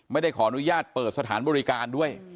ไม่ได้ขออนุญาตเปิดสถานบริการด้วย